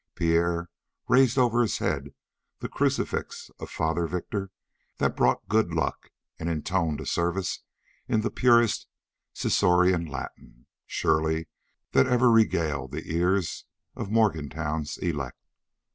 Pierre raised over his head the crucifix of Father Victor that brought good luck, and intoned a service in the purest Ciceronian Latin, surely, that ever regaled the ears of Morgantown's elect.